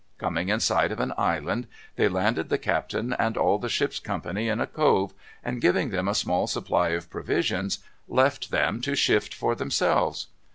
Coming in sight of an island, they landed the captain and all the ship's company in a cove, and giving them a small supply of provisions, left them to shift for themselves.